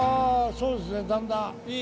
そうですねだんだん。